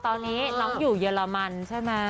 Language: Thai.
ตอนนี้น้องอยู่เยอรมันใช่ไหม